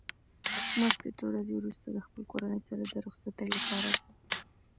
ما شپېته ورځې وروسته د خپل کورنۍ سره د رخصتۍ لپاره ځم.